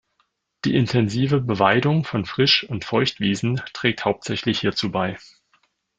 Die intensive Beweidung von Frisch- und Feuchtwiesen trägt hauptsächlich hierzu bei.